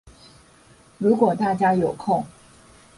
如果大家有空